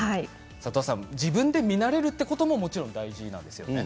自分で見慣れるということももちろん大事なんですよね。